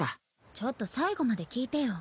ちょっと最後まで聞いてよ。